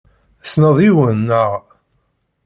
Tessneḍ yiwen, naɣ?